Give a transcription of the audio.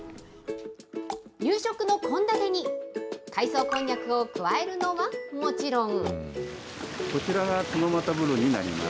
夕食の献立に海藻こんにゃくを加えるのはもちろん。